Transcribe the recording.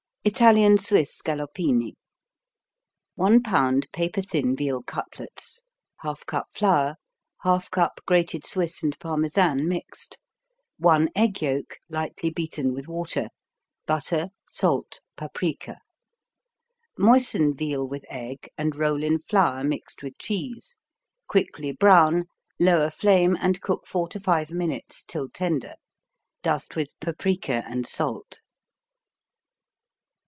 Italian Swiss Scallopini 1 pound paper thin veal cutlets 1/2 cup flour 1/2 cup grated Swiss and Parmesan, mixed 1 egg yolk, lightly beaten with water Butter Salt Paprika Moisten veal with egg and roll in flour mixed with cheese, quickly brown, lower flame and cook 4 to 5 minutes till tender. Dust with paprika and salt.